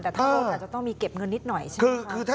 แต่ถ้ารถอาจจะต้องมีเก็บเงินนิดหน่อยใช่ไหมคะ